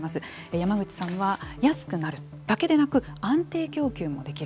山口さんは安くなるだけでなく安定供給もできる。